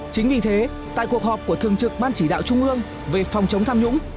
chính vì thế tại cuộc họp của thường trực ban chỉ đạo trung ương về phòng chống tham nhũng